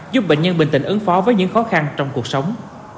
giúp bệnh nhân bình tĩnh ứng phó với những khó khăn trong cuộc sống